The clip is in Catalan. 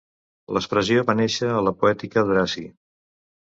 L'expressió va néixer a la poètica d'Horaci.